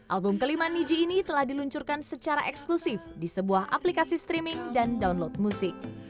album kelima niji ini telah diluncurkan secara eksklusif di sebuah aplikasi streaming dan download musik